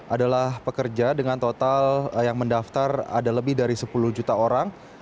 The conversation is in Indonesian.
adalah pekerja dengan total yang mendaftar ada lebih dari sepuluh juta orang